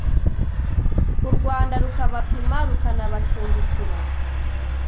u Rwanda rukabapima rukanabacumbikira